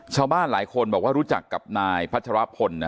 ชาวบ้านหลายคนบอกว่ารู้จักกับนายพัชรพล